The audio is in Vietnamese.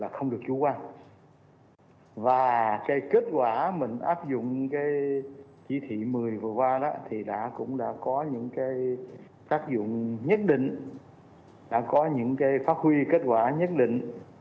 có thể phát huy kết quả nhất định